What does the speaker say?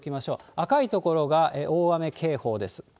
赤い所が大雨警報です。